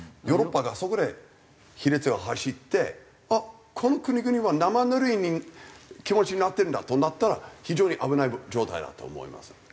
ヨーロッパがそこで亀裂が走って「この国々は生ぬるい気持ちになってるんだ」となったら非常に危ない状態だと思います。